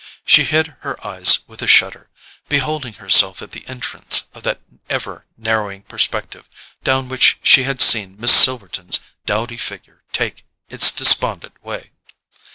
She hid her eyes with a shudder, beholding herself at the entrance of that ever narrowing perspective down which she had seen Miss Silverton's dowdy figure take its despondent way.